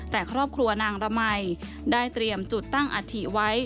แต่ครอบครัวนางระมัยได้เตรียมจุดตั้งอัฐิไว้